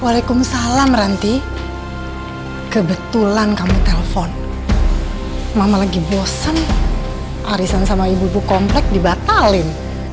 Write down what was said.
waalaikumsalam ranti kebetulan kamu telpon mama lagi bosan arisan sama ibu ibu komplek dibatalin